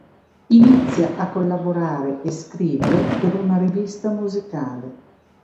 Inizia a collaborare e scrivere per una rivista musicale.